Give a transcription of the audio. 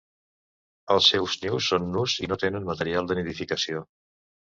Els seus nius són nus i no tenen material de nidificació.